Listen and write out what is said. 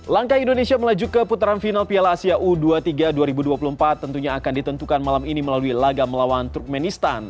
langkah indonesia melaju ke putaran final piala asia u dua puluh tiga dua ribu dua puluh empat tentunya akan ditentukan malam ini melalui laga melawan turkmenistan